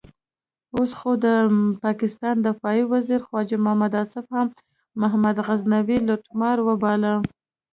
اوس خو د پاکستان دفاع وزیر خواجه محمد آصف هم محمود غزنوي لوټمار وباله.